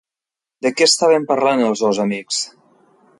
De què estaven parlant els dos amics?